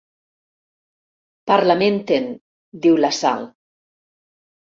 Parlamenten, diu la Sal.